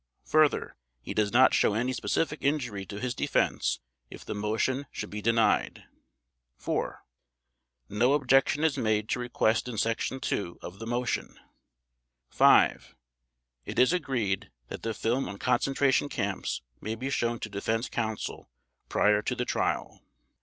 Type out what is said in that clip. Further he does not show any specific injury to his defense if the Motion should be denied. (4) No objection is made to request in Section II of the Motion. (5) It is agreed that the film on Concentration Camps may be shown to Defense Counsel prior to the Trial.